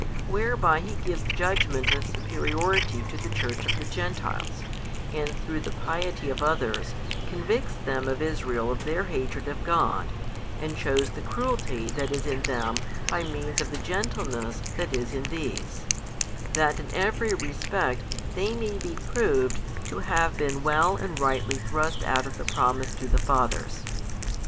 Where by He gives judgment of superiority to the Church of the Gentiles, and through the piety of others, convicts them of Israel of their hatred of God, and shews the |316 cruelty that is in them by means of the gentleness that is in these, that in every respect they may be proved to have been well and rightly thrust out of the promise to the fathers.